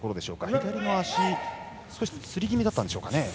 左の足、少しつり気味だったんでしょうか。